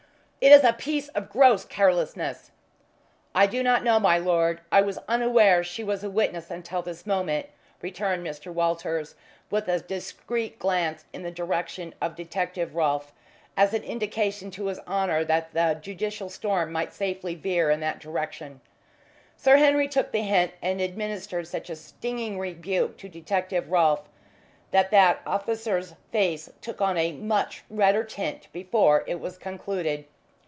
"It is a piece of gross carelessness." "I do not know, my lord. I was unaware she was a witness until this moment," returned Mr. Walters, with a discreet glance in the direction of Detective Rolfe, as an indication to His Honour that the judicial storm might safely veer in that direction. Sir Henry took the hint and administered such a stinging rebuke to Detective Rolfe that that officer's face took on a much redder tint before it was concluded.